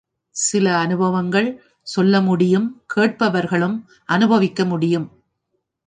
சில அநுபவங்கள் சொல்ல முடியும் கேட்டவர்களும் அநுபவிக்க முடியும்.